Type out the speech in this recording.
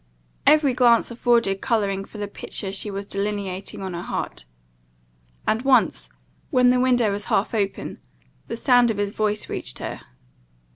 Every glance afforded colouring for the picture she was delineating on her heart; and once, when the window was half open, the sound of his voice reached her.